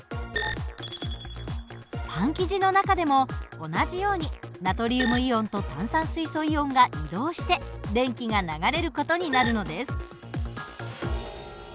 パン生地の中でも同じようにナトリウムイオンと炭酸水素イオンが移動して電気が流れる事になるのです。